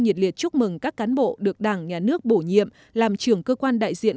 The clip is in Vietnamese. nhiệt liệt chúc mừng các cán bộ được đảng nhà nước bổ nhiệm làm trưởng cơ quan đại diện